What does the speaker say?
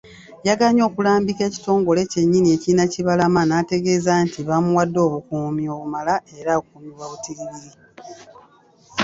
Yagaanye okulambika ekitongole kyennyini ekirina Kibalama n'ategeeza nti bamuwadde obukuumi obumala era akuumibwa butiribiri.